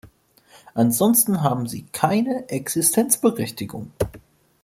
Ansonsten haben sie keine Existenzberechtigung.